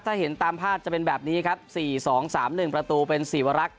ถ้าเห็นตามภาพจะเป็นแบบนี้ครับสี่สองสามหนึ่งประตูเป็นสีวรักษณ์